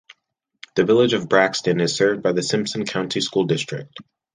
The Village of Braxton is served by the Simpson County School District.